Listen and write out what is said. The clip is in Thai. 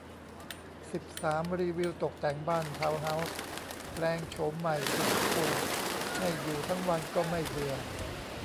สิบสาม รีวิวตกแต่งบ้านทาวน์เฮ้าส์ แปลงโฉมใหม่สุดคูล ให้อยู่ทั้งวันก็ไม่เบื่อ